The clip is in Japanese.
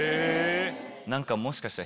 何かもしかしたら。